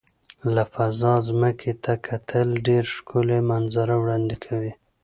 له فضا ځمکې ته کتل ډېر ښکلي منظره وړاندې کوي.